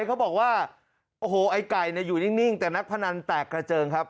เขาบอกว่าโอ้โหไอ้ไก่อยู่นิ่งแต่นักพนันแตกกระเจิงครับ